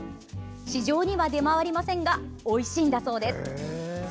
市場には出回りませんがおいしいんだそうです。